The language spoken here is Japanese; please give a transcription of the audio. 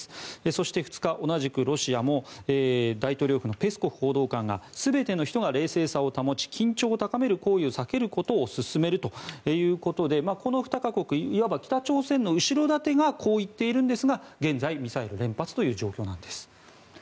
そして、２日同じくロシアも大統領府のペスコフ報道官が全ての人が冷静さを保ち緊張を高める行為を避けることを勧めるということでこの２か国いわば北朝鮮の後ろ盾がこう言っているんですが現在、ミサイル連発という状況なんです。